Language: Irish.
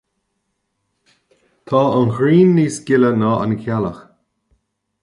Tá an ghrian níos gile ná an ghealach,